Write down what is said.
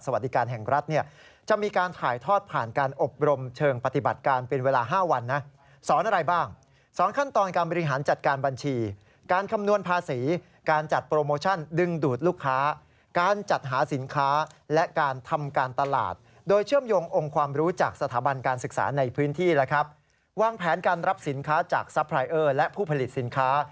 ว่างแผนการรับสินค้าจากซัพพลายเออร์และผู้ผลิตสินค้า